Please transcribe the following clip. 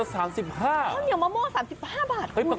ข้าวเหนียวมะม่วง๓๕บาท